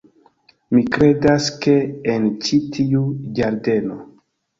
Mi kredas, ke en ĉi tiu ĝardeno...